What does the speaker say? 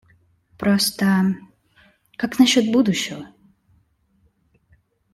Просто… - Как насчет будущего?